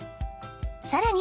さらに